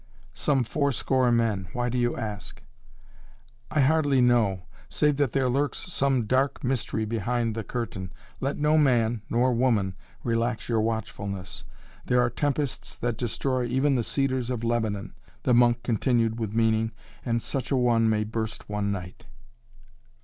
"Some four score men why do you ask?" "I hardly know save that there lurks some dark mystery behind the curtain. Let no man nor woman relax your watchfulness. There are tempests that destroy even the cedars of Lebanon," the monk continued with meaning. "And such a one may burst one night."